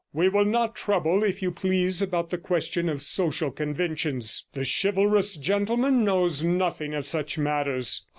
We will not trouble, if you please, about the question of social conventions; the chivalrous gentleman knows nothing of such matters.